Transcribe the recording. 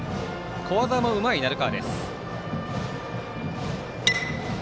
小技もうまい、鳴川です。